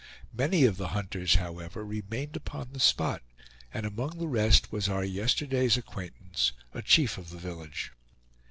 Many of the hunters, however, remained upon the spot, and among the rest was our yesterday's acquaintance, the chief of the village.